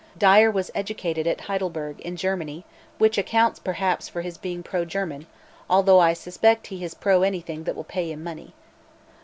Dyer was educated at Heidelburg, in Germany, which accounts, perhaps, for his being pro German, although I suspect he is pro anything that will pay him money.